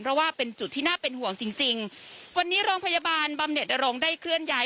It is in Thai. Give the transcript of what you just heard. เพราะว่าเป็นจุดที่น่าเป็นห่วงจริงจริงวันนี้โรงพยาบาลบำเน็ตนรงค์ได้เคลื่อนย้าย